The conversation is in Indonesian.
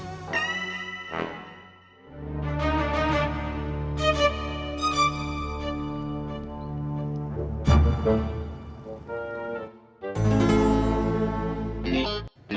sampai jumpa di video selanjutnya